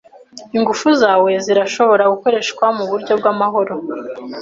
Ingufu za ae zirashobora gukoreshwa muburyo bwamahoro.